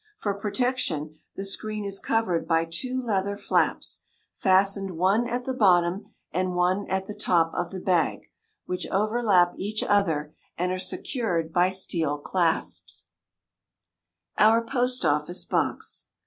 For protection, the screen is covered by two leather flaps, fastened one at the bottom and one at the top of the bag, which overlap each other, and are secured by steel clasps. [Illustration: OUR POST OFFICE BOX.